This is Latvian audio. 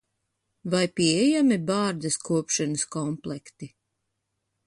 Vai pieejami bārdas kopšanas komplekti?